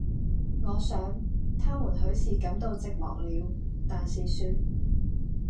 我想，他們許是感到寂寞了，但是說：